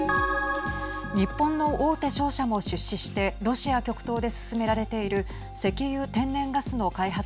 日本の大手商社も出資してロシア極東で進められている石油・天然ガスの開発